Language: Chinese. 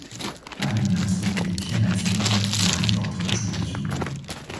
大叶南苏为天南星科崖角藤属的植物。